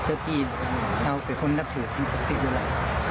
เจ้าจี้เขาเป็นคนรับถือซึ่งศักดิ์สิทธิ์ด้วยแหละ